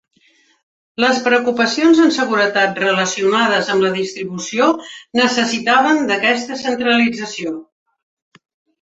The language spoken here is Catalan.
Les preocupacions en seguretat relacionades amb la distribució necessitaven d'aquesta centralització.